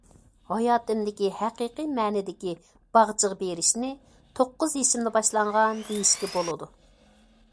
ھاياتىمدىكى ھەقىقىي مەنىدىكى باغچىغا بېرىشنى توققۇز يېشىمدا باشلانغان دېيىشكە بولىدۇ.